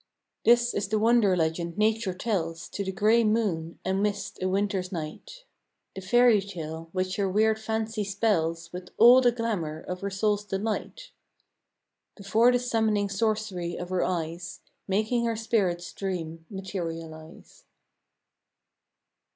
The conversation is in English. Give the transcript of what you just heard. This is the wonder legend Nature tells To the gray moon and mist a winter's night; The fairy tale, which her weird fancy 'spells With all the glamour of her soul's delight: Before the summoning sorcery of her eyes Making her spirit's dream materialize.